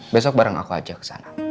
besok bareng aku aja kesana